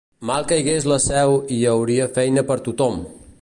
Mal caigués la Seu i hi hauria feina per tothom!